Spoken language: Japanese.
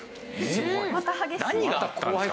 また激しい。